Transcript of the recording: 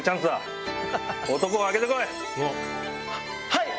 はい！